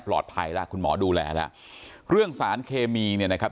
แล้วคุณหมอดูแลแล้วเรื่องสารเคมีเนี่ยนะครับ